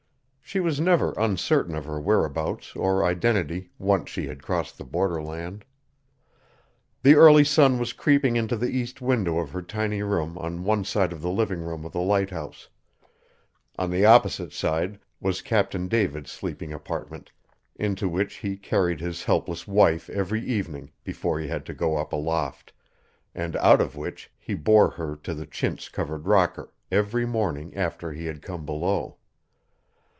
She was never uncertain of her whereabouts or identity, once she had crossed the border land. The early sun was creeping into the east window of her tiny room on one side of the living room of the lighthouse; on the opposite side was Captain David's sleeping apartment, into which he carried his helpless wife every evening before he had to go up aloft, and out of which he bore her to the chintz covered rocker, every morning after he had come below.